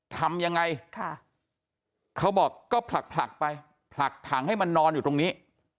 ทำยังไงเขาบอกก็ผลักผลักไปผลักถังให้มันนอนอยู่ตรงนี้